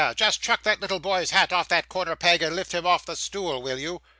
just chuck that little boy's hat off that corner peg, and lift him off the stool will you?